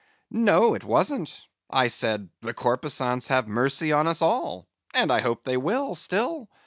"No, no, it wasn't; I said the corpusants have mercy on us all; and I hope they will, still.